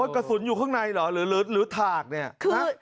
กระสุนอยู่ข้างในเหรอหรือถากเนี่ย